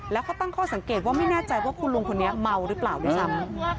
แล้วเขาตั้งข้อสังเกตว่าไม่แน่ใจว่าคุณลุงคนนี้เมาหรือเปล่าด้วยซ้ำ